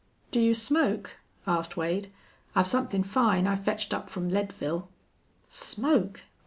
"Do you smoke?" asked Wade. "I've somethin' fine I fetched up from Leadville." "Smoke!